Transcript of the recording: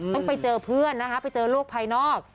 ต้องไปเจอเพื่อนไปเจอลูกภายนอก